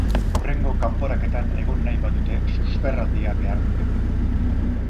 Hurrengo kanporaketan egon nahi badute susperraldia behar dute.